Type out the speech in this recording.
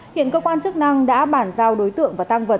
hiện cơ quan chức năng đã bản giao đối tượng và tăng vật